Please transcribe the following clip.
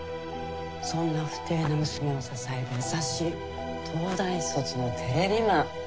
そんな不貞の娘を支える優しい東大卒のテレビマン。